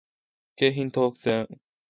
京浜東北線